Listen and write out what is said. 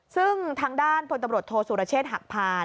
ซึ่งทางด้านพลตำรวจโทษสุรเชษฐหักพาน